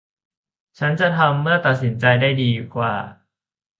ฉันจะทำเมื่อตัดสินใจได้ดีกว่า